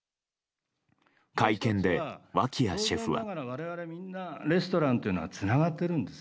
会見で脇屋シェフは。